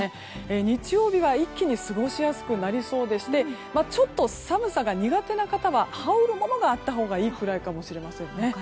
日曜日は一気に過ごしやすくなりそうでしてちょっと寒さが苦手な方は羽織るものがあったほうがいいくらいかもしれませんね。